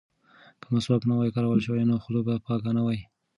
که مسواک نه وای کارول شوی نو خوله به پاکه نه وه.